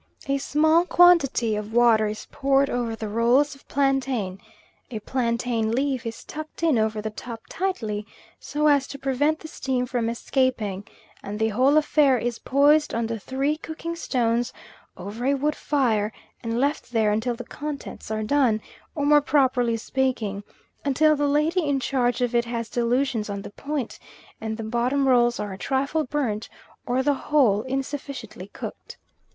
A small quantity of water is poured over the rolls of plantain, a plantain leaf is tucked in over the top tightly, so as to prevent the steam from escaping, and the whole affair is poised on the three cooking stones over a wood fire, and left there until the contents are done, or more properly speaking, until the lady in charge of it has delusions on the point, and the bottom rolls are a trifle burnt or the whole insufficiently cooked.